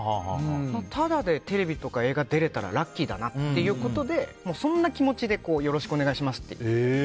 タダでテレビとか映画に出られたらラッキーだなということでそんな気持ちでよろしくお願いしますって。